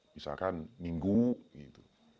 misalkan minggu gitu